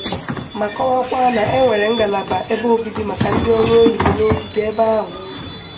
ma kọwakwa na e nwere ngalaba ebe obibi maka ndị ọrụ oyibo n'ogige ebe ahụ